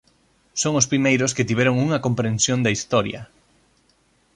Son os primeiros que tiveron unha comprensión da Historia.